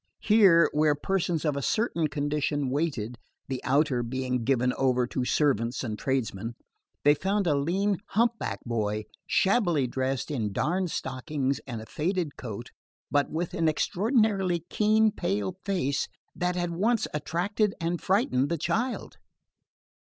Here, where persons of a certain condition waited (the outer being given over to servants and tradesmen), they found a lean humpbacked boy, shabbily dressed in darned stockings and a faded coat, but with an extraordinary keen pale face that at once attracted and frightened the child.